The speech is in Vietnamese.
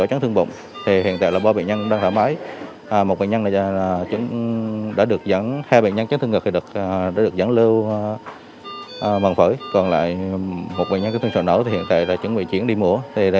còn lại một bệnh nhân chết thương sầu nổ hiện tại đã chuẩn bị chuyển đi mũa